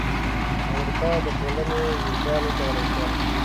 د امریکا د ټولنې وجدان وکولای شول.